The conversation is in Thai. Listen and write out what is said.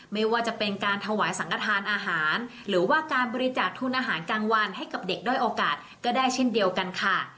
ไม่ว่าจะเป็นการถวายสังกระทานอาหารหรือว่าการบริจาคทุนอาหารกลางวันให้กับเด็กด้อยโอกาสก็ได้เช่นเดียวกันค่ะ